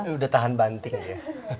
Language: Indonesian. udah tahan banting ya